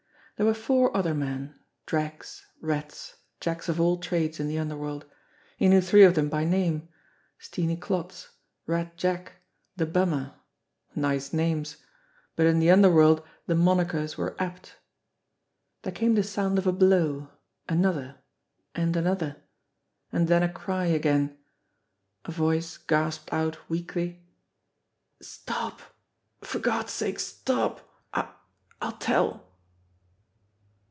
There were four other men dregs, rats, jacks of all trades in the underworld. He knew three of them by name: Steenie Klotz ; Red Jack ; the Bummer. Nice names ! But in the underworld the monikers were apt! There came the sound of a blow, another, and another and then a cry again. A voice gasped out weakly : "Stop! For God's sake, stop! I I'll tell."